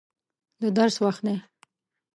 د درس وخت دی.